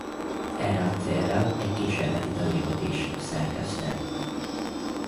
Erre a célra egy kísérleti tananyagot is szerkesztett.